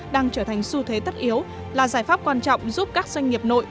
đang trở thành xu thế tất yếu là giải pháp quan trọng giúp các doanh nghiệp nội